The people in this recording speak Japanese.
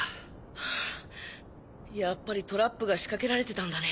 はぁやっぱりトラップが仕掛けられてたんだね。